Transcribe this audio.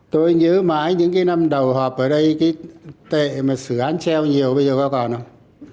tôi nhớ mãi những cái năm đầu họp ở đây cái tệ mà xử án treo nhiều bây giờ bao còn đâu